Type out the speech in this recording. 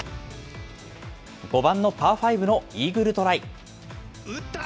５番のパーファイブのイーグルトライ。